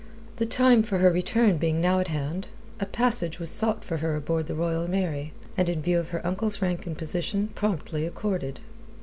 The time for her return being now at hand, a passage was sought for her aboard the Royal Mary, and in view of her uncle's rank and position promptly accorded.